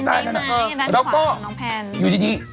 แล้วก็อยู่ดี